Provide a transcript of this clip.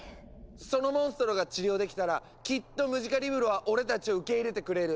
そのモンストロが治療できたらきっとムジカリブロは俺たちを受け入れてくれる。